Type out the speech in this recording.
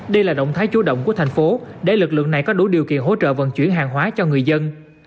đây là động thái chú động của thành phố để lực lượng này có đủ điều kiện hỗ trợ vận chuyển hàng hóa cho người dân